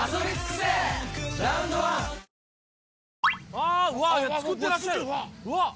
あうわ作ってらっしゃる！